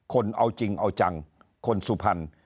คนเอาจริงเอาจังคนสุพรรณ